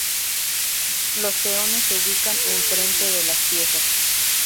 Los peones se ubican en frente de las piezas.